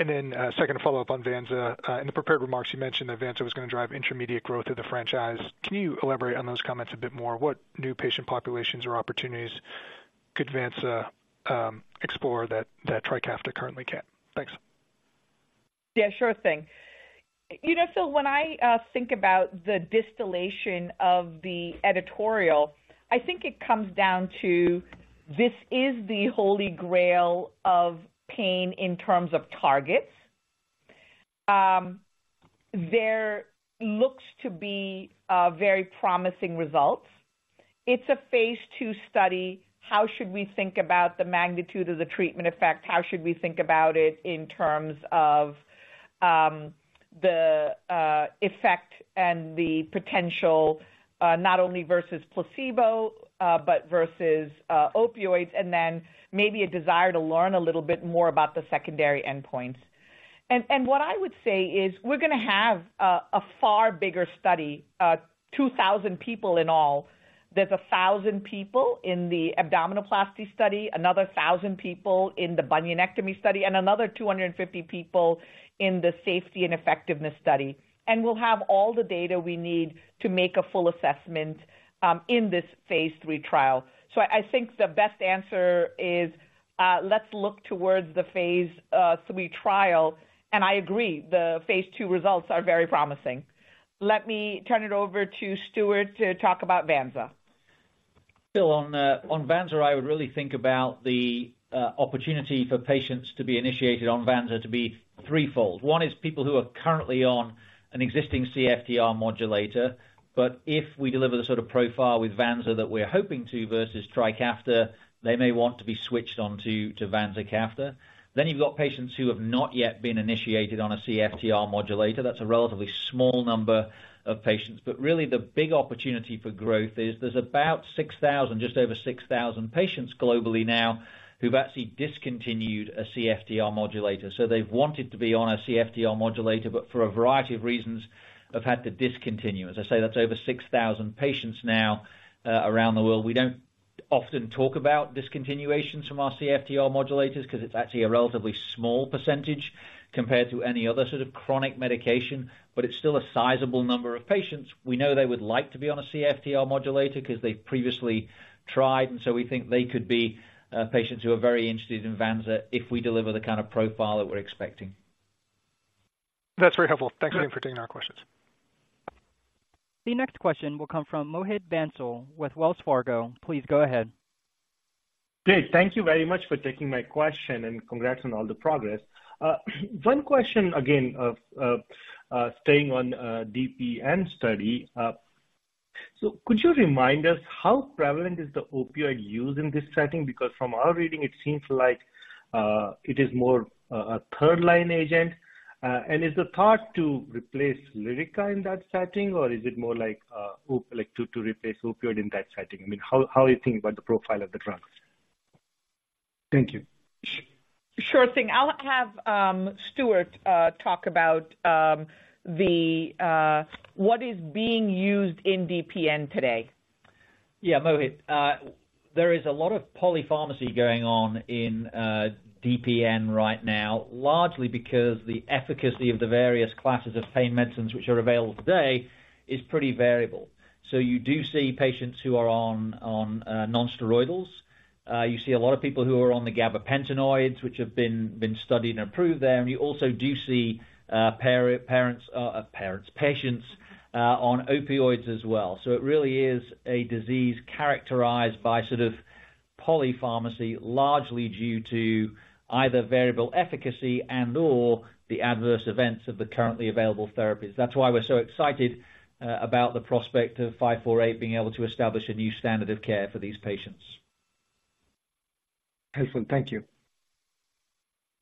And then, second follow-up on vanzacaftor. In the prepared remarks, you mentioned that vanzacaftor was going to drive intermediate growth of the franchise. Can you elaborate on those comments a bit more? What new patient populations or opportunities could vanzacaftor explore that Trikafta currently can't? Thanks. Yeah, sure thing. You know, Phil, when I think about the distillation of the editorial, I think it comes down to this is the holy grail of pain in terms of targets. There looks to be very promising results. It's a phase 2 study. How should we think about the magnitude of the treatment effect? How should we think about it in terms of the effect and the potential not only versus placebo, but versus opioids, and then maybe a desire to learn a little bit more about the secondary endpoints. What I would say is we're going to have a far bigger study, 2,000 people in all. There's 1,000 people in the abdominoplasty study, another 1,000 people in the bunionectomy study, and another 250 people in the safety and effectiveness study. We'll have all the data we need to make a full assessment, in this phase 3 trial. I think the best answer is, let's look towards the phase 3 trial, and I agree, the phase 2 results are very promising. Let me turn it over to Stuart to talk about vanzacaftor. Phil, on vanzacaftor, I would really think about the opportunity for patients to be initiated on vanzacaftor to be threefold. One is people who are currently on an existing CFTR modulator, but if we deliver the sort of profile with vanzacaftor that we're hoping to versus Trikafta, they may want to be switched on to, to vanzacaftor. Then you've got patients who have not yet been initiated on a CFTR modulator. That's a relatively small number of patients, but really the big opportunity for growth is there's about 6,000, just over 6,000 patients globally now, who've actually discontinued a CFTR modulator. So they've wanted to be on a CFTR modulator, but for a variety of reasons, have had to discontinue. As I say, that's over 6,000 patients now, around the world. We don't often talk about discontinuations from our CFTR modulators because it's actually a relatively small percentage compared to any other sort of chronic medication, but it's still a sizable number of patients. We know they would like to be on a CFTR modulator because they've previously tried, and so we think they could be patients who are very interested in vanzacaftor if we deliver the kind of profile that we're expecting. That's very helpful. Thank you for taking our questions. The next question will come from Mohit Bansal with Wells Fargo. Please go ahead. Great. Thank you very much for taking my question, and congrats on all the progress. One question again, staying on DPN study. So could you remind us how prevalent is the opioid use in this setting? Because from our reading, it seems like it is more a third-line agent. And is the thought to replace Lyrica in that setting, or is it more like to replace opioid in that setting? I mean, how are you thinking about the profile of the drugs? Thank you. Sure thing. I'll have Stuart talk about what is being used in DPN today. Yeah, Mohit, there is a lot of polypharmacy going on in DPN right now, largely because the efficacy of the various classes of pain medicines which are available today is pretty variable. So you do see patients who are on nonsteroidals. You see a lot of people who are on the gabapentinoids, which have been studied and approved there, and you also do see patients on opioids as well. So it really is a disease characterized by sort of polypharmacy, largely due to either variable efficacy and/or the adverse events of the currently available therapies. That's why we're so excited about the prospect of 548 being able to establish a new standard of care for these patients. Excellent. Thank you.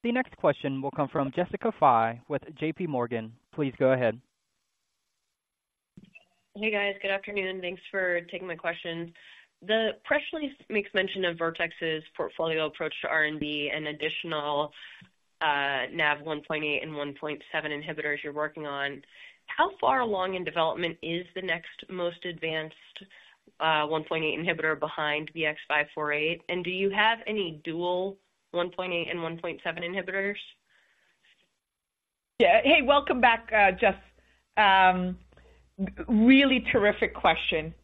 The next question will come from Jessica Fye with J.P. Morgan. Please go ahead. Hey, guys. Good afternoon. Thanks for taking my questions. The press release makes mention of Vertex's portfolio approach to R&D and additional, NaV1.8 and NaV1.7 inhibitors you're working on. How far along in development is the next most advanced, NaV1.8 inhibitor behind VX-548? And do you have any dual NaV1.8 and NaV1.7 inhibitors? Yeah. Hey, welcome back, Jess. Really terrific question.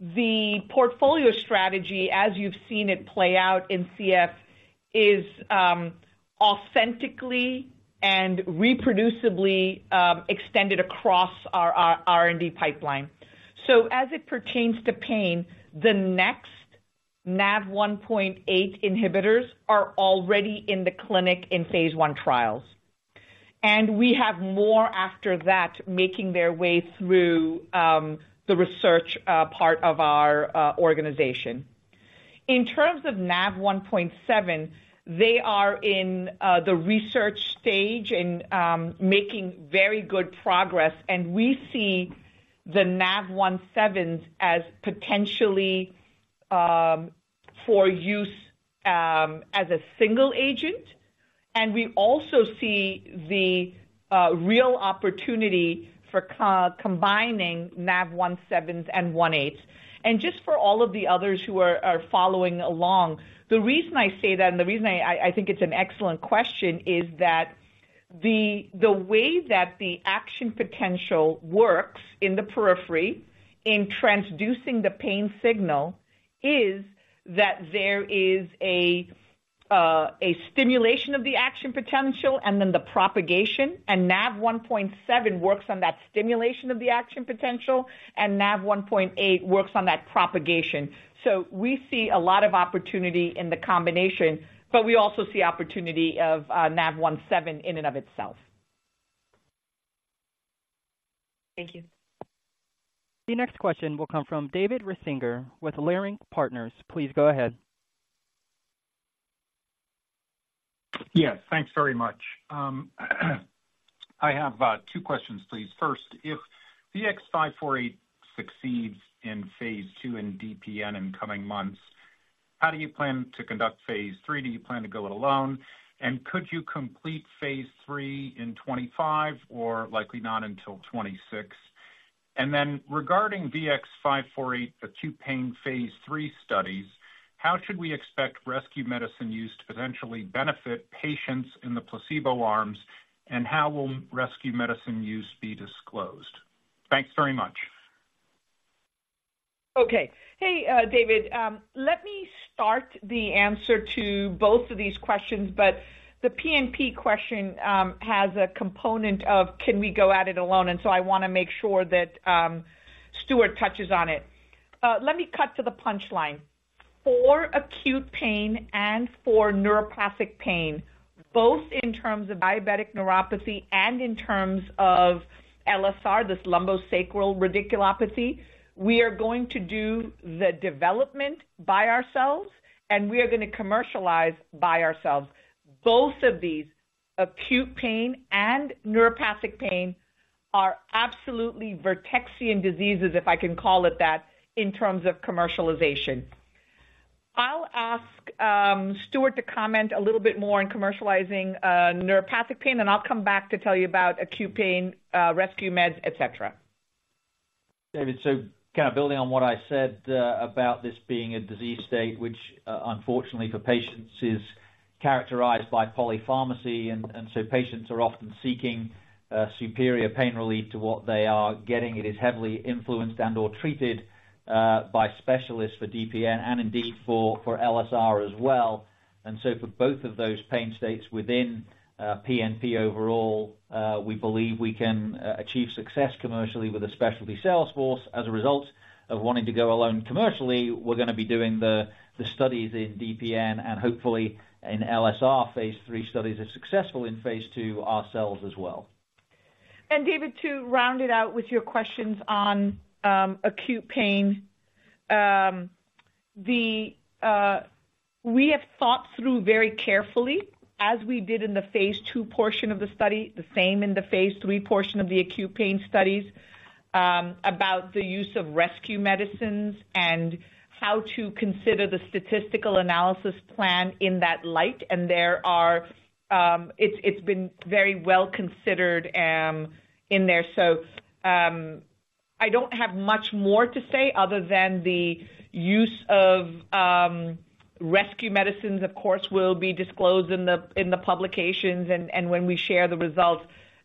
The portfolio strategy, as you've seen it play out in CF, is authentically and reproducibly extended across our R&D pipeline. So as it pertains to pain, the next NaV1.8 inhibitors are already in the clinic in phase 1 trials, and we have more after that making their way through the research part of our organization. In terms of NaV1.7, they are in the research stage and making very good progress, and we see the NaV1.7 as potentially for use as a single agent. And we also see the real opportunity for co-combining NaV1.7 and 1.8. Just for all of the others who are following along, the reason I say that, and the reason I think it's an excellent question, is that the way that the action potential works in the periphery in transducing the pain signal, is that there is a stimulation of the action potential and then the propagation, and NaV1.7 works on that stimulation of the action potential, and NaV1.8 works on that propagation. We see a lot of opportunity in the combination, but we also see opportunity of NaV1.7 in and of itself. Thank you. The next question will come from David Risinger with Leerink Partners. Please go ahead. Yes, thanks very much. I have two questions, please. First, if VX-548 succeeds in phase 2 in DPN in coming months, how do you plan to conduct phase 3? Do you plan to go it alone? And could you complete phase 3 in 2025 or likely not until 2026? And then regarding VX-548, the acute pain phase 3 studies, how should we expect rescue medicine use to potentially benefit patients in the placebo arms, and how will rescue medicine use be disclosed? Thanks very much. Okay. Hey, David, let me start the answer to both of these questions, but the PNP question has a component of can we go at it alone? And so I wanna make sure that Stuart touches on it. Let me cut to the punchline. For acute pain and for neuropathic pain, both in terms of diabetic neuropathy and in terms of LSR, this lumbosacral radiculopathy, we are going to do the development by ourselves, and we are gonna commercialize by ourselves. Both of these, acute pain and neuropathic pain, are absolutely Vertexian diseases, if I can call it that, in terms of commercialization. I'll ask Stuart to comment a little bit more on commercializing neuropathic pain, and I'll come back to tell you about acute pain, rescue meds, et cetera. David, so kind of building on what I said, about this being a disease state, which, unfortunately for patients, is characterized by polypharmacy, and so patients are often seeking superior pain relief to what they are getting. It is heavily influenced and/or treated by specialists for DPN and indeed for LSR as well. And so for both of those pain states within PNP overall, we believe we can achieve success commercially with a specialty sales force. As a result of wanting to go alone commercially, we're gonna be doing the studies in DPN and hopefully in LSR phase three studies are successful in phase two ourselves as well. And David, to round it out with your questions on acute pain. We have thought through very carefully, as we did in the phase 2 portion of the study, the same in the phase 3 portion of the acute pain studies, about the use of rescue medicines and how to consider the statistical analysis plan in that light. And there are... It's been very well considered in there. So, I don't have much more to say other than the use of rescue medicines, of course, will be disclosed in the publications and when we share the results.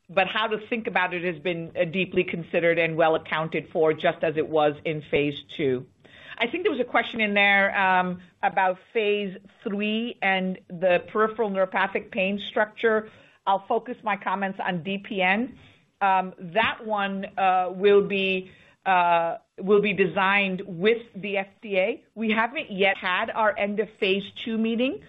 But how to think about it has been deeply considered and well accounted for, just as it was in phase 2. I think there was a question in there about phase 3 and the peripheral neuropathic pain structure. I'll focus my comments on DPN. That one will be designed with the FDA. We haven't yet had our end-of-phase 2 meeting,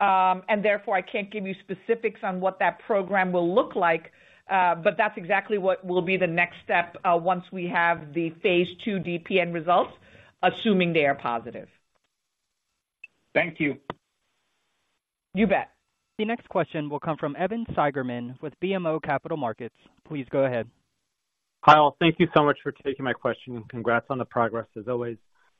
and therefore I can't give you specifics on what that program will look like. But that's exactly what will be the next step, once we have the phase 2 DPN results, assuming they are positive. Thank you. You bet. The next question will come from Evan Seigerman with BMO Capital Markets. Please go ahead. Hi, all. Thank you so much for taking my question, and congrats on the progress, as always.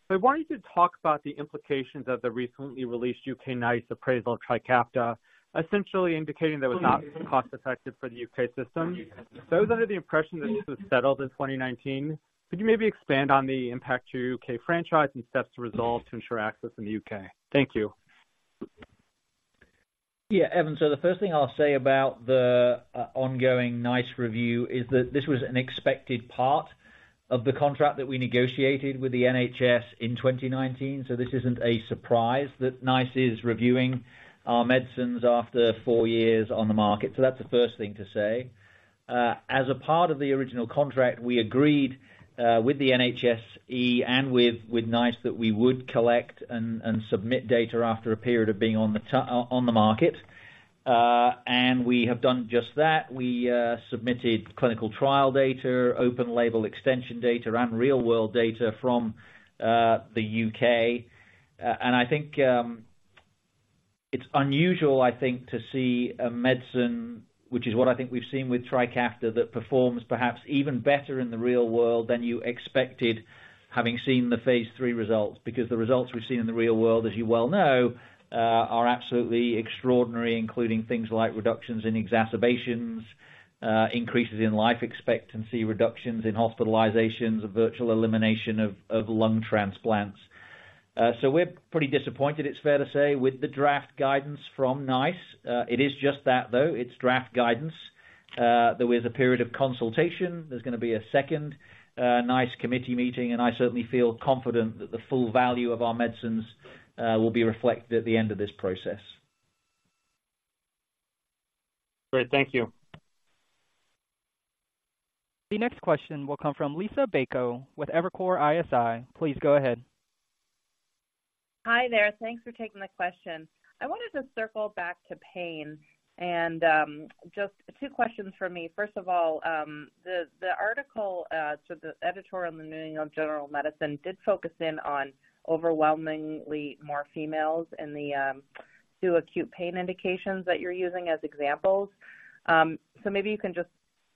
So I wanted to talk about the implications of the recently released UK NICE appraisal Trikafta, essentially indicating that it was not cost-effective for the UK system. So I was under the impression that this was settled in 2019. Could you maybe expand on the impact to your UK franchise and steps to resolve to ensure access in the UK? Thank you. Yeah, Evan, so the first thing I'll say about the ongoing NICE review is that this was an expected part of the contract that we negotiated with the NHS in 2019, so this isn't a surprise that NICE is reviewing our medicines after four years on the market. So that's the first thing to say. As a part of the original contract, we agreed with the NHSE and with NICE that we would collect and submit data after a period of being on the market. And we have done just that. We submitted clinical trial data, open label extension data, and real-world data from the UK. I think it's unusual, I think, to see a medicine, which is what I think we've seen with Trikafta, that performs perhaps even better in the real world than you expected, having seen the phase 3 results. Because the results we've seen in the real world, as you well know, are absolutely extraordinary, including things like reductions in exacerbations, increases in life expectancy, reductions in hospitalizations, a virtual elimination of lung transplants. So we're pretty disappointed, it's fair to say, with the draft guidance from NICE. It is just that, though, it's draft guidance. There is a period of consultation. There's gonna be a second NICE committee meeting, and I certainly feel confident that the full value of our medicines will be reflected at the end of this process. Great. Thank you. The next question will come from Liisa Bayko with Evercore ISI. Please go ahead. ...Hi there. Thanks for taking the question. I wanted to circle back to pain and, just two questions for me. First of all, the article, so the editorial in the New England Journal of Medicine did focus in on overwhelmingly more females in the, two acute pain indications that you're using as examples. So maybe you can just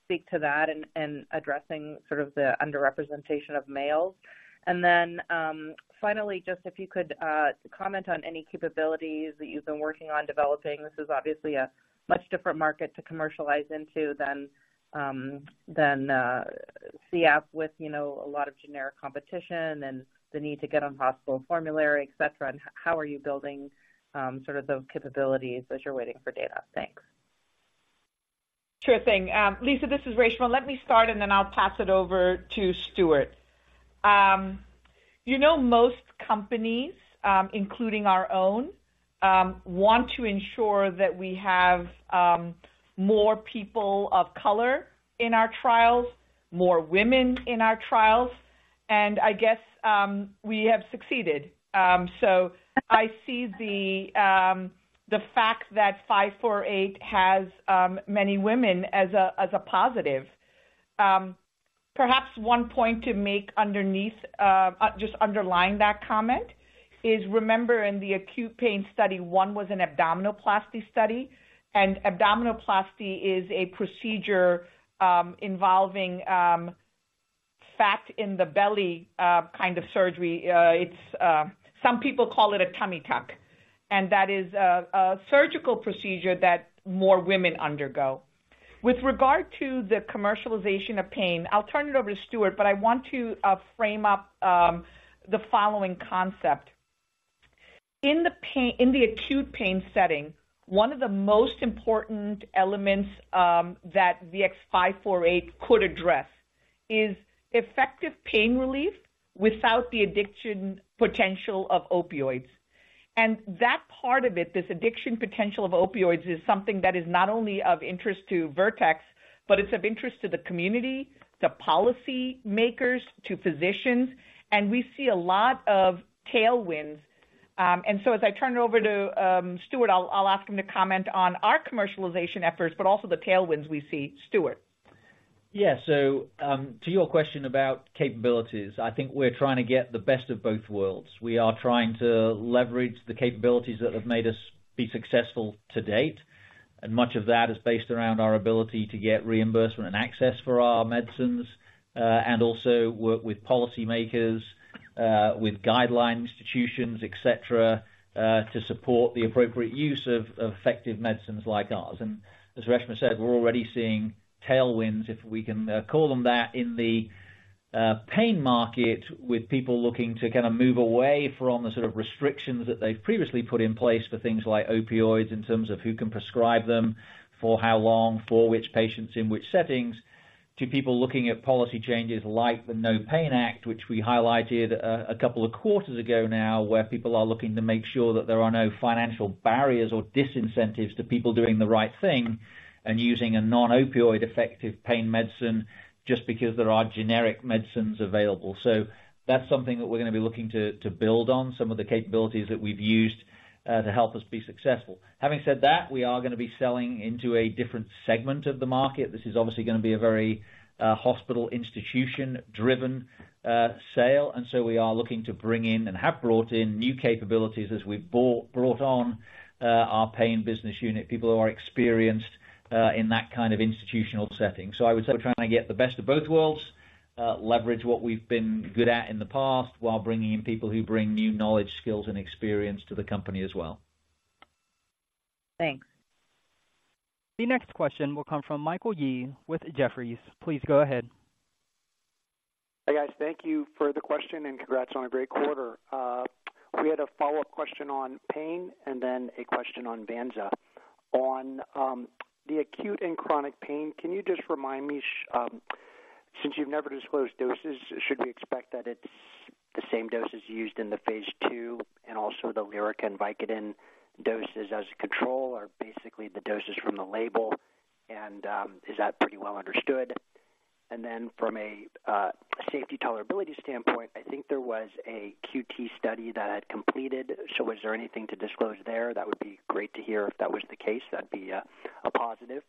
speak to that and addressing sort of the underrepresentation of males. And then, finally, just if you could, comment on any capabilities that you've been working on developing. This is obviously a much different market to commercialize into than CF, with, you know, a lot of generic competition and the need to get on hospital formulary, et cetera. And how are you building, sort of those capabilities as you're waiting for data? Thanks. Sure thing. Liisa, this is Reshma. Let me start, and then I'll pass it over to Stuart. You know, most companies, including our own, want to ensure that we have more people of color in our trials, more women in our trials, and I guess, we have succeeded. So I see the fact that VX-548 has many women as a positive. Perhaps one point to make underneath just underlying that comment is, remember, in the acute pain study, one was an abdominoplasty study, and abdominoplasty is a procedure involving fat in the belly kind of surgery. It's some people call it a tummy tuck, and that is a surgical procedure that more women undergo. With regard to the commercialization of pain, I'll turn it over to Stuart, but I want to frame up the following concept. In the acute pain setting, one of the most important elements that VX-548 could address is effective pain relief without the addiction potential of opioids. And that part of it, this addiction potential of opioids, is something that is not only of interest to Vertex, but it's of interest to the community, the policy makers, to physicians, and we see a lot of tailwinds. And so as I turn it over to Stuart, I'll ask him to comment on our commercialization efforts, but also the tailwinds we see. Stuart? Yeah. So, to your question about capabilities, I think we're trying to get the best of both worlds. We are trying to leverage the capabilities that have made us be successful to date, and much of that is based around our ability to get reimbursement and access for our medicines, and also work with policymakers, with guideline institutions, et cetera, to support the appropriate use of effective medicines like ours. And as Reshma said, we're already seeing tailwinds, if we can call them that, in the pain market, with people looking to kind of move away from the sort of restrictions that they've previously put in place for things like opioids, in terms of who can prescribe them, for how long, for which patients, in which settings, to people looking at policy changes like the NOPAIN Act, which we highlighted a couple of quarters ago now, where people are looking to make sure that there are no financial barriers or disincentives to people doing the right thing and using a non-opioid effective pain medicine just because there are generic medicines available. So that's something that we're going to be looking to build on some of the capabilities that we've used to help us be successful. Having said that, we are going to be selling into a different segment of the market. This is obviously going to be a very hospital, institution-driven sale, and so we are looking to bring in and have brought in new capabilities as we've brought on our pain business unit, people who are experienced in that kind of institutional setting. So I would say we're trying to get the best of both worlds, leverage what we've been good at in the past, while bringing in people who bring new knowledge, skills, and experience to the company as well. Thanks. The next question will come from Michael Yee with Jefferies. Please go ahead. Hi, guys. Thank you for the question, and congrats on a great quarter. We had a follow-up question on pain and then a question on vanzacaftor. On the acute and chronic pain, can you just remind me, since you've never disclosed doses, should we expect that it's the same doses used in the phase 2 and also the Lyrica and Vicodin doses as a control, or basically the doses from the label? And is that pretty well understood? And then from a safety tolerability standpoint, I think there was a QT study that had completed. So was there anything to disclose there? That would be great to hear if that was the case. That'd be a positive.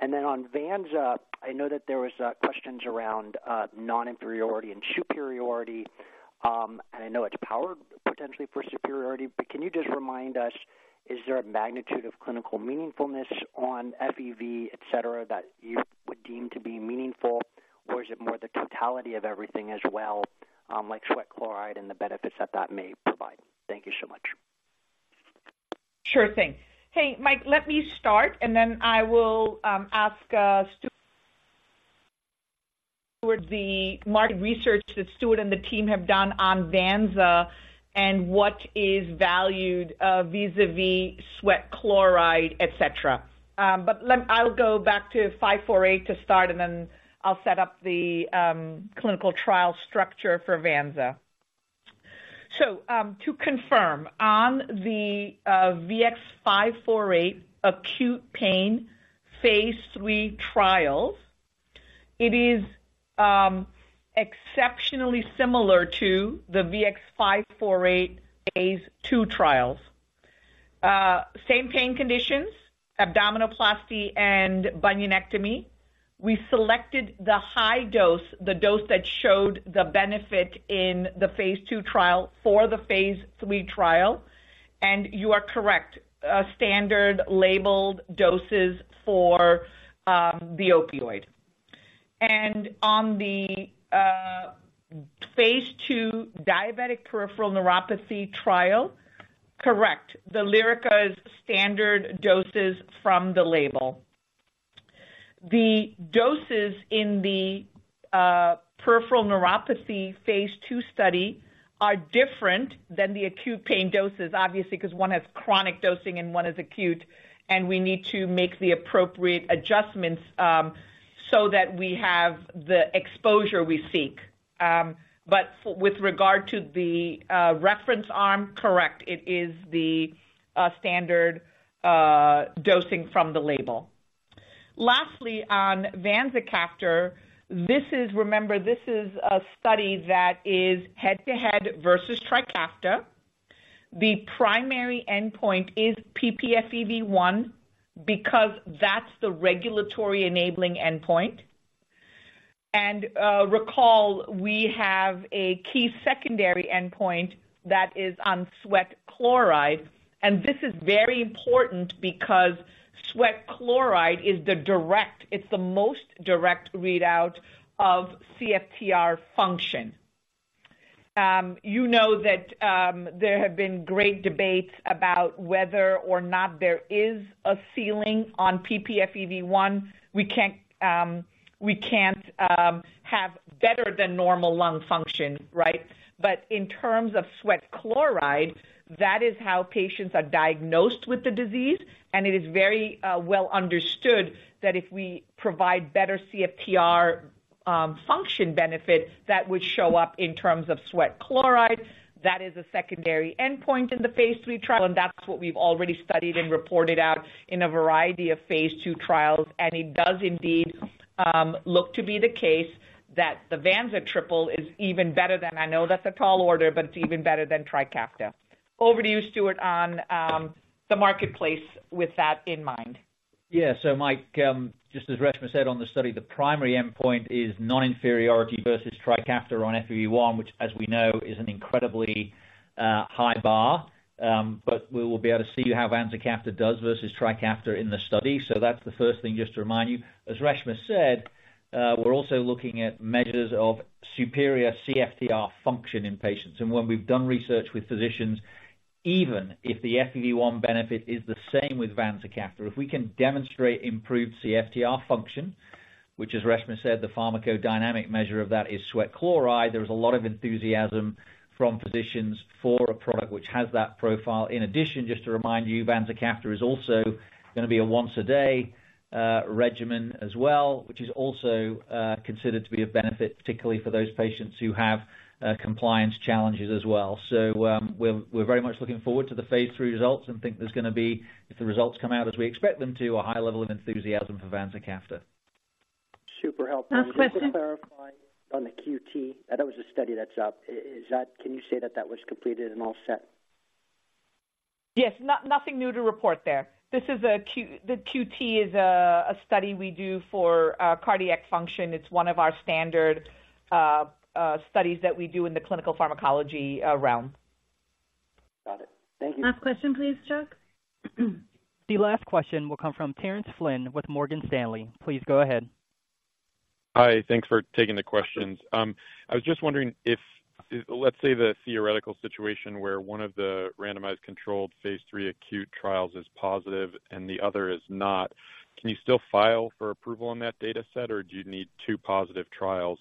And then on vanzacaftor, I know that there was questions around non-inferiority and superiority. I know it's powered potentially for superiority, but can you just remind us, is there a magnitude of clinical meaningfulness on FEV, et cetera, that you would deem to be meaningful, or is it more the totality of everything as well, like sweat chloride and the benefits that that may provide? Thank you so much. Sure thing. Hey, Mike, let me start, and then I will ask Stuart towards the market research that Stuart and the team have done on vanzacaftor and what is valued vis-à-vis sweat chloride, et cetera. But I'll go back to 548 to start, and then I'll set up the clinical trial structure for vanzacaftor. So, to confirm, on the VX-548 acute pain phase 3 trials. It is exceptionally similar to the VX-548 phase 2 trials. Same pain conditions, abdominoplasty and bunionectomy. We selected the high dose, the dose that showed the benefit in the phase 2 trial for the phase 3 trial. And you are correct, standard labeled doses for the opioid. And on the phase 2 diabetic peripheral neuropathy trial, correct, the Lyrica's standard doses from the label. The doses in the peripheral neuropathy phase two study are different than the acute pain doses, obviously, because one has chronic dosing and one is acute, and we need to make the appropriate adjustments, so that we have the exposure we seek. But with regard to the reference arm, correct, it is the standard dosing from the label. Lastly, on vanzacaftor, this is... Remember, this is a study that is head-to-head versus Trikafta. The primary endpoint is ppFEV1, because that's the regulatory enabling endpoint. And recall, we have a key secondary endpoint that is on sweat chloride, and this is very important because sweat chloride is the direct—it's the most direct readout of CFTR function. You know that, there have been great debates about whether or not there is a ceiling on ppFEV1. We can't have better than normal lung function, right? But in terms of sweat chloride, that is how patients are diagnosed with the disease, and it is very well understood that if we provide better CFTR function benefits, that would show up in terms of sweat chloride. That is a secondary endpoint in the phase three trial, and that's what we've already studied and reported out in a variety of phase two trials. And it does indeed look to be the case that the vanza triple is even better than, I know that's a tall order, but it's even better than Trikafta. Over to you, Stuart, on the marketplace with that in mind. Yeah. So Mike, just as Reshma said on the study, the primary endpoint is non-inferiority versus Trikafta on FEV1, which, as we know, is an incredibly high bar. But we will be able to see how vanzacaftor does versus Trikafta in the study. So that's the first thing, just to remind you. As Reshma said, we're also looking at measures of superior CFTR function in patients. And when we've done research with physicians, even if the FEV1 benefit is the same with vanzacaftor, if we can demonstrate improved CFTR function, which as Reshma said, the pharmacodynamic measure of that is sweat chloride. There is a lot of enthusiasm from physicians for a product which has that profile. In addition, just to remind you, vanzacaftor is also going to be a once-a-day regimen as well, which is also considered to be of benefit, particularly for those patients who have compliance challenges as well. So, we're, we're very much looking forward to the phase 3 results and think there's going to be, if the results come out as we expect them to, a high level of enthusiasm for vanzacaftor. Super helpful. Last question. To clarify on the QT, I know there was a study that's up. Is that... Can you say that that was completed and all set? Yes. No, nothing new to report there. The QT is a study we do for cardiac function. It's one of our standard studies that we do in the clinical pharmacology realm. Got it. Thank you. Last question, please, Chuck. The last question will come from Terence Flynn with Morgan Stanley. Please go ahead. Hi, thanks for taking the questions. I was just wondering if, let's say, the theoretical situation where one of the randomized controlled phase three acute trials is positive and the other is not, can you still file for approval on that data set, or do you need two positive trials?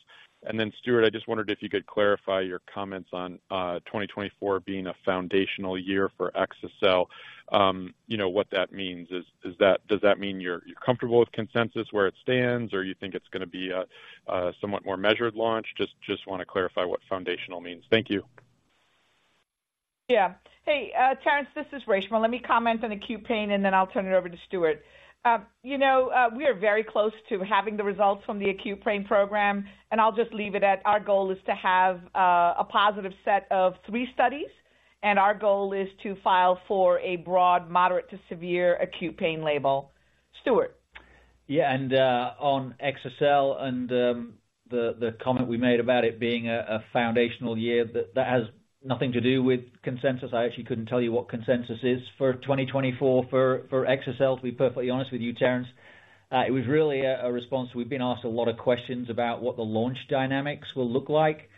And then, Stuart, I just wondered if you could clarify your comments on 2024 being a foundational year for exa-cel. You know, what that means is that—does that mean you're comfortable with consensus where it stands, or you think it's going to be a somewhat more measured launch? Just want to clarify what foundational means. Thank you. Yeah. Hey, Terence, this is Reshma. Let me comment on acute pain, and then I'll turn it over to Stuart. You know, we are very close to having the results from the acute pain program, and I'll just leave it at, our goal is to have a positive set of three studies, and our goal is to file for a broad, moderate to severe acute pain label. Stuart? Yeah, and on exa-cel and the comment we made about it being a foundational year, that has nothing to do with consensus. I actually couldn't tell you what consensus is for 2024 for exa-cel, to be perfectly honest with you, Terence. It was really a response. We've been asked a lot of questions about what the launch dynamics will look like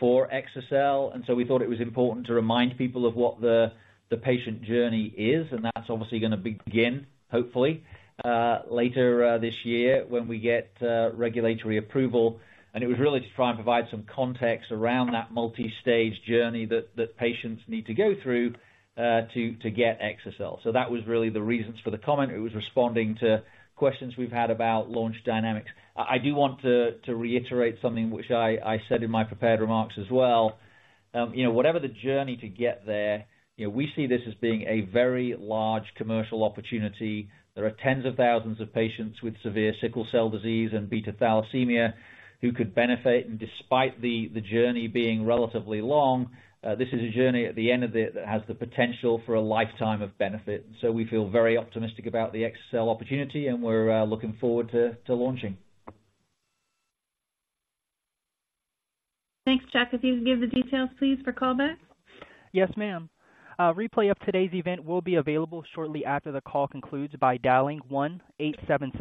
for exa-cel, and so we thought it was important to remind people of what the patient journey is, and that's obviously going to begin, hopefully, later this year when we get regulatory approval. And it was really to try and provide some context around that multi-stage journey that patients need to go through to get exa-cel. So that was really the reasons for the comment. It was responding to questions we've had about launch dynamics. I, I do want to, to reiterate something which I, I said in my prepared remarks as well. You know, whatever the journey to get there, you know, we see this as being a very large commercial opportunity. There are tens of thousands of patients with severe sickle cell disease and beta thalassemia who could benefit. Despite the, the journey being relatively long, this is a journey at the end of it that has the potential for a lifetime of benefit. We feel very optimistic about the exa-cel opportunity, and we're, looking forward to, to launching. Thanks, Chuck. If you can give the details please for callback? Yes, ma'am. A replay of today's event will be available shortly after the call concludes by dialing one eight seven six-